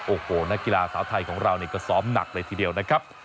โอ้โหนักกีฬาสาวไทยของเราก็ซ้อมหนักเลยทีเดียวนะครับ